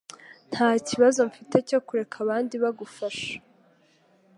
Ntakibazo mfite cyo kureka abandi bagufasha.